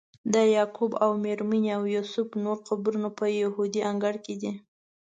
د یعقوب او میرمنې او یوسف نور قبرونه په یهودي انګړ کې دي.